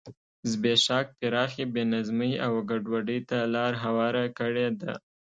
زبېښاک پراخې بې نظمۍ او ګډوډۍ ته لار هواره کړې ده.